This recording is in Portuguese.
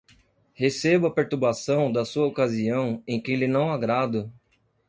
recebo a perturbação da sua ocasião em que lhe não agrado